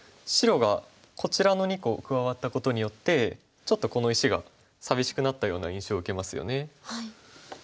白がこちらの２個加わったことによってちょっとこの石が寂しくなったような印象受けますよね。